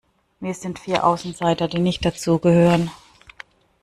Wir sind vier Außenseiter, die nicht dazugehören.